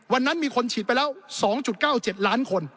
วันนั้นมีคนฉีดไปแล้ว๒๙๗ล้านคน